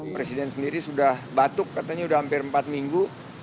presiden sendiri sudah batuk katanya sudah hampir empat minggu